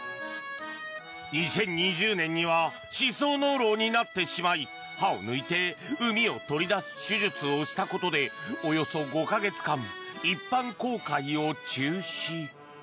２０２０年には歯槽膿漏になってしまい歯を抜いてうみを取り出す手術をしたことでおよそ５か月間一般公開を中止。